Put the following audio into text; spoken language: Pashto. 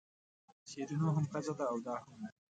شیرینو هم ښځه ده او دا هم ده.